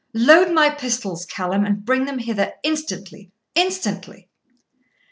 Load my pistols, Callum, and bring them hither instantly instantly!'